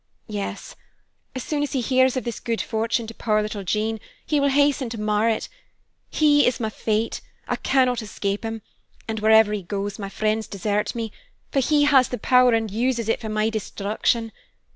"Yes. As soon as he hears of this good fortune to poor little Jean, he will hasten to mar it. He is my fate; I cannot escape him, and wherever he goes my friends desert me; for he has the power and uses it for my destruction.